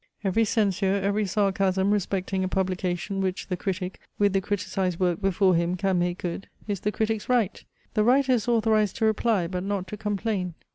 S. T. C. Every censure, every sarcasm respecting a publication which the critic, with the criticised work before him, can make good, is the critic's right. The writer is authorized to reply, but not to complain.